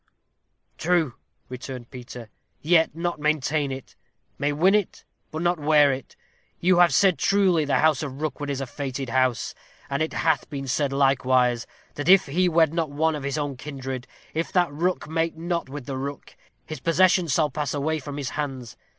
"True," returned Peter; "yet not maintain it. May win it, but not wear it. You have said truly, the house of Rookwood is a fated house; and it hath been said likewise, that if he wed not one of his own kindred that if Rook mate not with Rook, his possessions shall pass away from his hands.